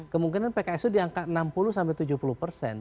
kemungkinan pks itu diangkat enam puluh tujuh puluh persen